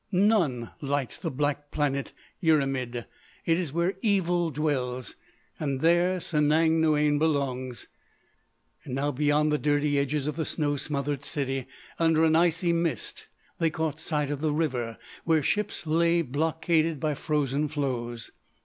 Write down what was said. None lights the Black Planet, Yrimid. It is where evil dwells. And there Sanang Noïane belongs." And now, beyond the dirty edges of the snow smothered city, under an icy mist they caught sight of the river where ships lay blockaded by frozen floes.